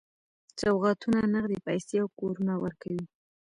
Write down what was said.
سوغاتونه، نغدي پیسې او کورونه ورکوي.